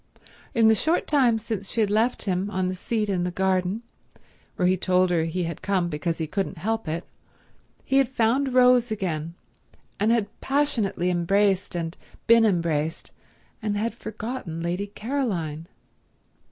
In the short time since she had left him on the seat in the garden, where he told her he had come because he couldn't help it, he had found Rose again, had passionately embraced and been embraced, and had forgotten Lady Caroline.